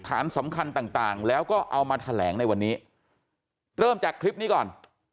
สำคัญต่างต่างแล้วก็เอามาแถลงในวันนี้เริ่มจากคลิปนี้ก่อน